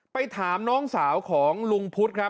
ไปถามน้องสาวของลุงพุทธครับ